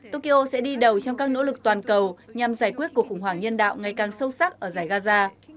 tokyo sẽ đi đầu trong các nỗ lực toàn cầu nhằm giải quyết cuộc khủng hoảng nhân đạo ngày càng sâu sắc ở giải gaza